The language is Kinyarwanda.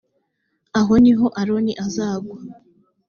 aho ni ho aroni azagwa.